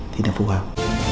thì nằm phù hợp